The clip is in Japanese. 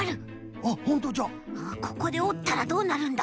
ここでおったらどうなるんだ？